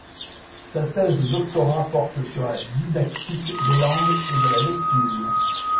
Sa thèse de doctorat porte sur la didactique des langues et de la lecture.